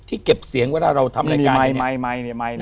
เก็บเสียงเวลาเราทำรายการใหม่